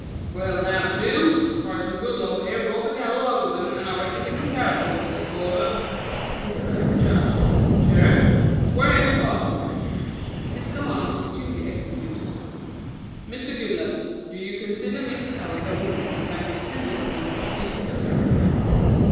"Well, now, Jim, Parson Goodloe here brought the gal along with him and I reckon he can character witness for her," interposed the judge. "Sheriff, swear in the parson." His command was duly executed. "Mr. Goodloe, do you consider Miss Powers a woman who can be depended upon to speak the truth?"